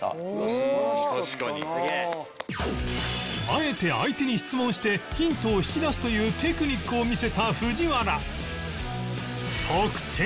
あえて相手に質問してヒントを引き出すというテクニックを見せた藤原